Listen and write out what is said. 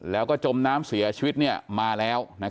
แล้วก็จมน้ำเสียชีวิตเนี่ยมาแล้วนะครับ